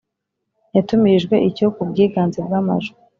Yatumirijwe icyo ku bwiganze bw’amajwi